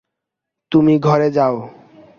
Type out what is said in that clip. তুমি ঘরে যাও।